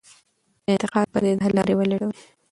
د انتقاد په ځای د حل لار ولټوئ.